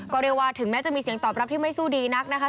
ก็เรียกว่าถึงแม้จะมีเสียงตอบรับที่ไม่สู้ดีนักนะคะ